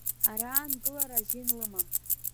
Ара аангылара азин лымам.